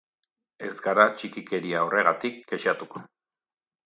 Ez gara txikikeria horregatik kexatuko.